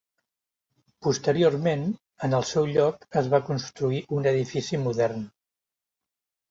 Posteriorment, en el seu lloc es va construir un edifici modern.